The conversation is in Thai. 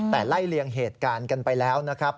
แต่ไล่เลียงเหตุการณ์กันไปแล้วนะครับ